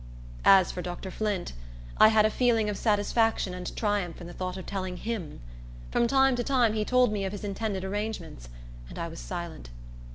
As for Dr. Flint, I had a feeling of satisfaction and triumph in the thought of telling him. From time to time he told me of his intended arrangements, and I was silent.